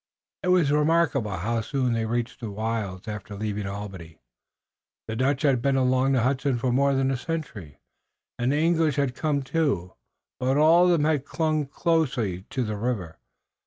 It was remarkable how soon they reached the wilds after leaving Albany. The Dutch had been along the Hudson for more than a century, and the English had come too, but all of them had clung mostly to the river.